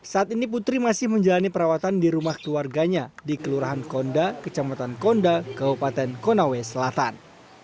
saat ini putri masih menjalani perawatan di rumah keluarganya di kelurahan konda kecamatan konda kabupaten konawe selatan